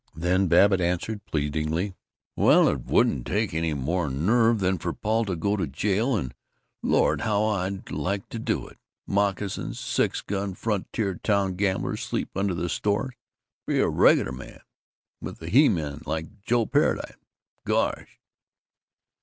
then Babbitt answered pleadingly, "Well, it wouldn't take any more nerve than for Paul to go to jail and Lord, how I'd like to do it! Moccasins six gun frontier town gamblers sleep under the stars be a regular man, with he men like Joe Paradise gosh!"